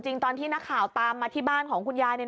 ตอนที่นักข่าวตามมาที่บ้านของคุณยาย